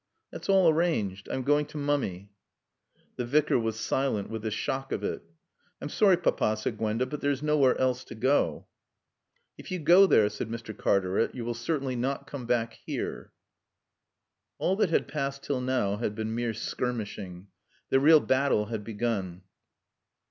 "That's all arranged. I'm going to Mummy." The Vicar was silent with the shock of it. "I'm sorry, Papa," said Gwenda; "but there's nowhere else to go to." "If you go there," said Mr. Cartaret, "you will certainly not come back here." All that had passed till now had been mere skirmishing. The real battle had begun.